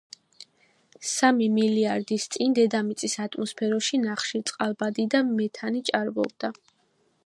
სამი მილიარდის წინ, დედამიწის ატმოსფეროში ნახშირწყალბადი და მეთანი ჭარბობდა.